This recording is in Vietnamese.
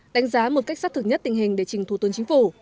đánh giá một cách sát thực nhất tình hình để trình thủ tướng chính phủ